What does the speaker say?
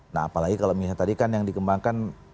nah apalagi kalau misalnya tadi kan yang dikembangkan